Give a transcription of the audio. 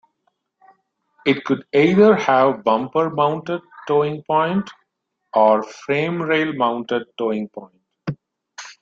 It could either have bumper mounted towing point or frame rail mounted towing point.